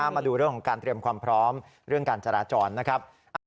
มาดูเรื่องของการเตรียมความพร้อมเรื่องการจราจรนะครับ